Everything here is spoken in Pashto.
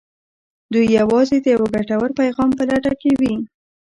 دوی يوازې د يوه ګټور پيغام په لټه کې وي.